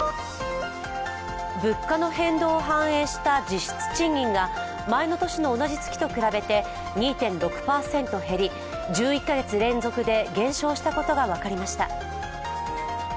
物価の変動を反映した実質賃金が前の年の同じ月と比べて２．６％減り１１か月連続で減少したことが分かりました。